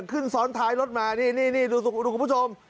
ขึ้นซ้อนท้ายรถมานี่ดูคุณผู้ชม